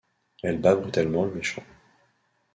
Elle bat brutalement le méchant.